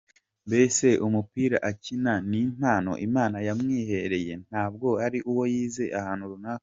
Mbese umupira akina ni impano Imana yamwihereye ntabwo ari uwo yize ahantu runaka.